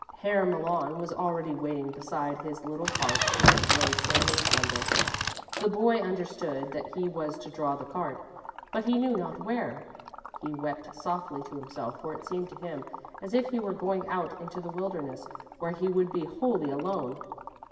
Herr Malon was already waiting beside his little cart in which lay Sami's bundle. The boy understood that he was to draw the cart, but he knew not where. He wept softly to himself for it seemed to him as if he were going out into the wilderness where he would be wholly alone.